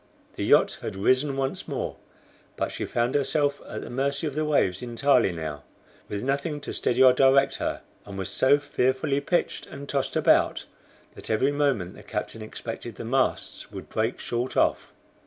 The yacht had risen once more, but she found herself at the mercy of the waves entirely now, with nothing to steady or direct her, and was so fearfully pitched and tossed about that every moment the captain expected the masts would break short off.